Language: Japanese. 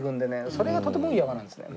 それがとても多い山なんですね。